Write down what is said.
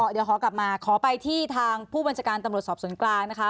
เดี๋ยวขอกลับมาขอไปที่ทางผู้บัญชาการตำรวจสอบสวนกลางนะคะ